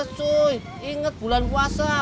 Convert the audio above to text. woleh cuy inget bulan puasa